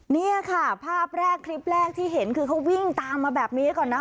นี่ค่ะภาพแรกคลิปแรกที่เห็นคือเขาวิ่งตามมาแบบนี้ก่อนนะ